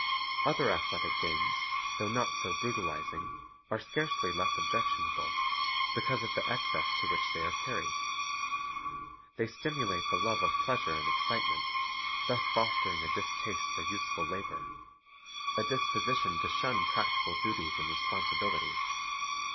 Other athletic games, though not so brutalizing, are scarcely less objectionable, because of the excess to which they are carried. They stimulate the love of pleasure and excitement, thus fostering a distaste for useful labor, a disposition to shun practical duties and Recreation 21 1 responsibilities.